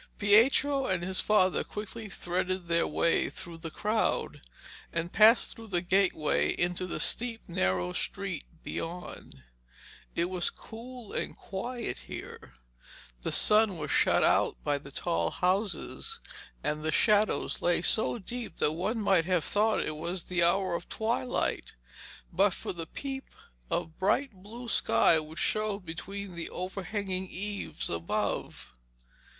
Pietro and his father quickly threaded their way through the crowd, and passed through the gateway into the steep narrow street beyond. It was cool and quiet here. The sun was shut out by the tall houses, and the shadows lay so deep that one might have thought it was the hour of twilight, but for the peep of bright blue sky which showed between the overhanging eaves above.